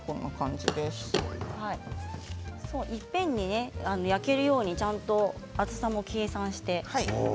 いっぺんに焼けるようにちゃんと厚さも計算して。